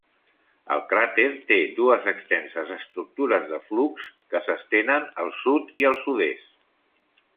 El cràter té dues extenses estructures de flux que s'estenen al sud i al sud-est.